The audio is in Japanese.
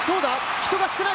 人が少ない。